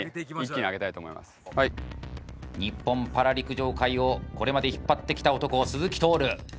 日本パラ陸上界をこれまで引っ張ってきた男鈴木徹。